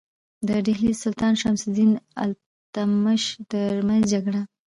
د ډهلي د سلطان شمس الدین التمش ترمنځ جګړه.